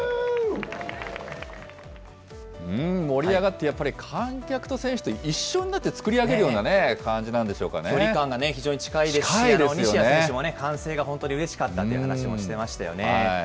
うーん、盛り上がって、やっぱり観客と選手と一緒になって作り上げるようなね、感じなん距離感が非常に近いですし、西矢選手もね、歓声が本当にうれしかったっていう話もしてましたよね。